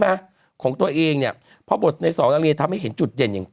ไหมของตัวเองเนี่ยพอบทในสองนาฬีทำให้เห็นจุดเย็นอย่าง